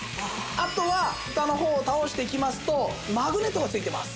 あとはフタの方を倒していきますとマグネットが付いてます。